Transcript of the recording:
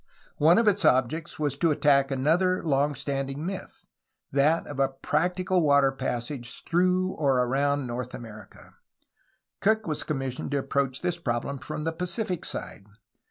One of its objects was to attack another long standing myth, that of a practical water passage through or around North America. Cook was commissioned to approach this problem from the Pacific side.